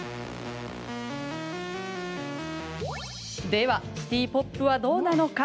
ではシティ・ポップはどうなのか。